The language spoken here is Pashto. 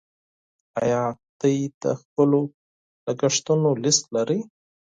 ایا تاسو د خپلو لګښتونو لیست لرئ.